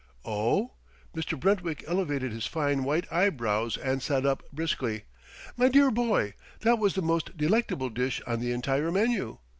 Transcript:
"Oh h?" Mr. Brentwick elevated his fine white eyebrows and sat up briskly. "My dear boy, that was the most delectable dish on the entire menu.